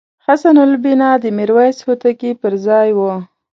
حسن البناء د میرویس هوتکي پرځای وو.